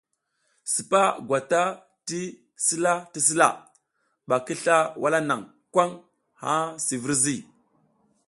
Sipa gwata ti sila ti sila ɓa ki sla wala naŋ kwaŋ ŋha si virzi.